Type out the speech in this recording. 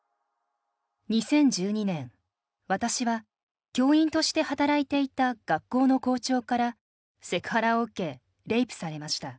「２０１２年私は教員として働いていた学校の校長からセクハラを受けレイプされました。